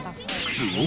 「すごい！」